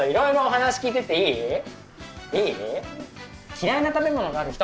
嫌いな食べ物がある人？